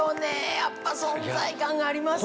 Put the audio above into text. やっぱ存在感がありますよ。